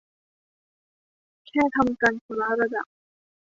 แค่ทำกันคนละระดับ